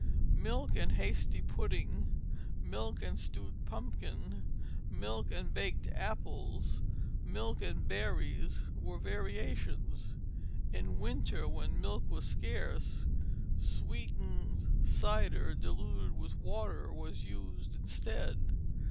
Milk and hasty pudding, milk and stewed pumpkin, milk and baked apples, milk and berries, were variations. In winter, when milk was scarce, sweetened cider diluted with water was used instead.